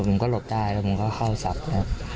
ผมก็หลบได้แล้วผมก็เข้าศัพท์ครับ